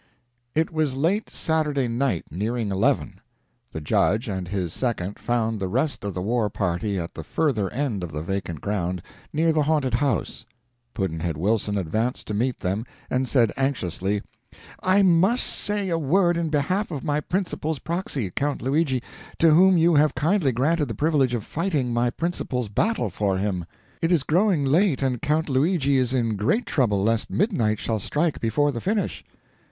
It was late Saturday night nearing eleven. The judge and his second found the rest of the war party at the further end of the vacant ground, near the haunted house. Pudd'nhead Wilson advanced to meet them, and said anxiously: "I must say a word in behalf of my principal's proxy, Count Luigi, to whom you have kindly granted the privilege of fighting my principal's battle for him. It is growing late, and Count Luigi is in great trouble lest midnight shall strike before the finish."